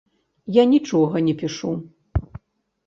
Я нічога не пішу.